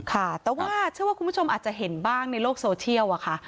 แต่ว่าอาจจะเห็นบ้างในโลกโซเชียลค่ะ